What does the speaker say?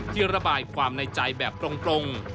ที่ระบายความในใจแบบตรง